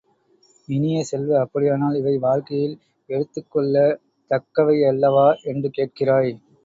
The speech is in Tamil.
இனிய செல்வ, அப்படியானால் இவை வாழ்க்கையில் எடுத்துக் கொள்ளத் தக்கவையல்லவா என்று கேட்கிறாய்!